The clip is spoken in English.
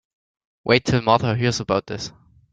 Wait till Martha hears about this.